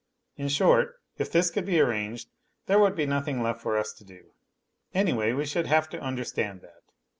In short, if t his could be arranged there would be nothing left for us to do ; anyuay, we should have to understand that.